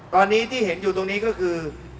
ตอนนี้ที่เห็นอยู่ตรงนี้ก็คือ